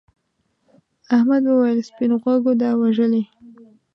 احمد وویل سپین غوږو دا وژلي.